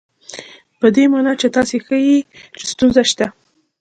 په دې مانا چې تاسې ښيئ چې ستونزه شته.